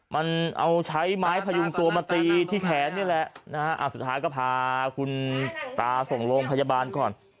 มันเอาใช้ไม้พยุงตัวมาตีที่แขนนี่แหละนะฮะสุดท้ายก็พาคุณตาส่งโรงพยาบาลก่อน